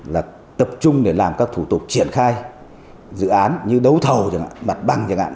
là tập trung để làm các thủ tục triển khai dự án như đấu thầu mặt bằng chẳng hạn